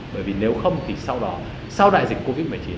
bởi vì nếu không thì sau đó sau đại dịch covid một mươi chín